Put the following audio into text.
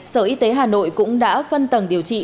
sở y tế hà nội cũng đã phân tầng điều trị